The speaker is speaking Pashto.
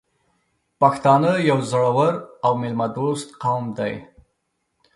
پښتانه یو زړور او میلمه دوست قوم دی .